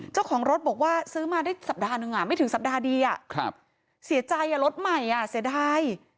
เจ้าของรถบอกว่าซื้อมาได้สัปดาห์นึงไม่ถึงสัปดาห์ดีเสียใจรถใหม่เสียดาย